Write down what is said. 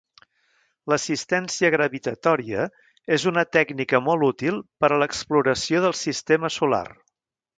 L'assistència gravitatòria és una tècnica molt útil per a l'exploració del sistema solar.